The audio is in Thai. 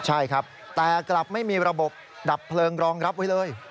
ใช่ครับแต่กลับไม่มีระบบดับเพลิงรองรับไว้เลย